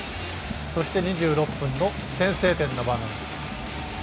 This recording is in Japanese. そして、２６分の先制点の場面。